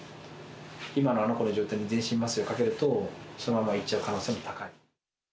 今のあの子の状態で全身麻酔をかけると、そのまま逝っちゃう可能性も高い。